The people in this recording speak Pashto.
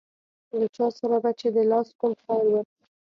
له چا سره به چې د لاس کوم خیر و.